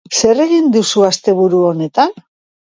Zer egin duzu asteburu honetan?